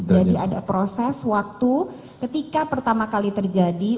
jadi ada proses waktu ketika pertama kali terjadi